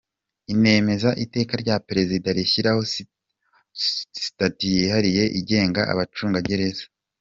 Inemeza Iteka rya Perezida rishyiraho Sitati yihariye igenga Abacungagereza.